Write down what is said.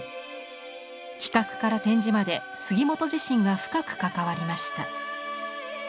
企画から展示まで杉本自身が深く関わりました。